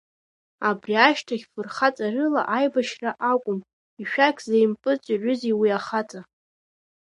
Абри ашьҭахь фырхаҵарыла аибашьра акәым, ишәақь злеимпыҵмыҩрызеи уи ахаҵа?